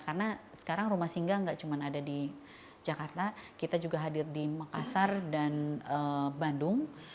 karena sekarang rumah singga gak cuma ada di jakarta kita juga hadir di makassar dan bandung